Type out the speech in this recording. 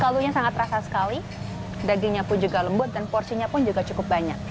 saljunya sangat terasa sekali dagingnya pun juga lembut dan porsinya pun juga cukup banyak